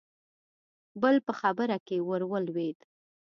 بل په خبره کې ورولوېد: